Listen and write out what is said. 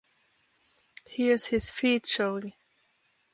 Here's his feet showing!